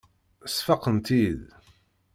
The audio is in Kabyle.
Sfaqent-iyi-id.